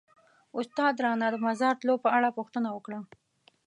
استاد رانه د مزار تلو په اړه پوښتنه وکړه.